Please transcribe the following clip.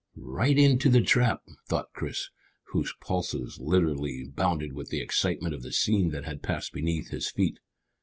"Right into the trap!" thought Chris, whose pulses literally bounded with the excitement of the scene that had passed beneath his feet.